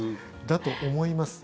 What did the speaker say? だと思います。